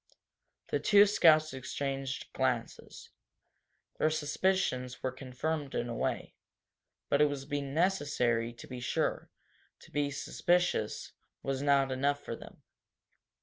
The two scouts exchanged glances. Their suspicions were confirmed in a way. But it was necessary to be sure; to be suspicious was not enough for them.